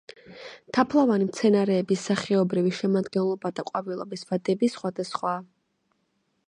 თაფლოვანი მცენარეების სახეობრივი შემადგენლობა და ყვავილობის ვადები სხვადასხვაა.